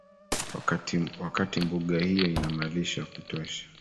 wakati mbuga hiyo ina malisho ya kutosha